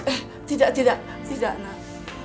eh tidak tidak tidak mas